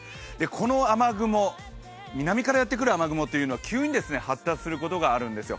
この雨雲、南からやってくる雨雲というのは急に発達することがあるんですよ。